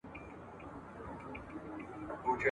نه یې زړه له شکایت څخه سړیږي !.